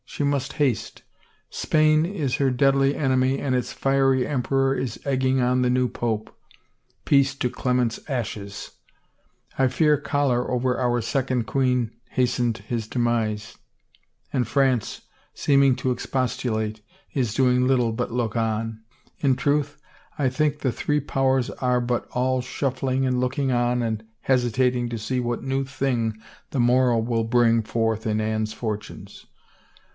She must haste. Spain is her deadly enemy and its fiery emperor is egging 289 THE FAVOR OF KINGS on the new pope — peace to Clement's ashes! I fear choler over our second queen hastened his demise — and France, seeming to expostulate, is doing little but look on — in truth, I think the three powers are but all shuffling and looking on and hesitating to see what new thing the morrow will bring forth in Anne's fortunes.